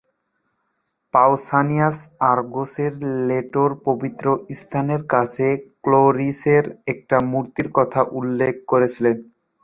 পাউসানিয়াস আরগোসের লেটোর পবিত্র স্থানের কাছে ক্লোরিসের একটা মূর্তির কথা উল্লেখ করেছিলেন।